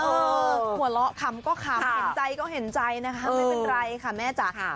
หัวเราะขำก็ขำเห็นใจก็เห็นใจนะคะไม่เป็นไรค่ะแม่จ๋า